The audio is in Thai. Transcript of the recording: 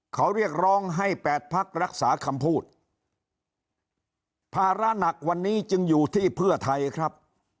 เขาเรียกร้องให้แปดพักรักษาคำพูดภาระหนักวันนี้จึงอยู่ที่เพื่อไทยครับ